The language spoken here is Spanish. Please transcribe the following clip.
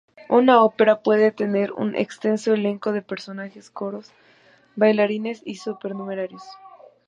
Una ópera puede tener un extenso elenco de personajes, coros, bailarines y supernumerarios.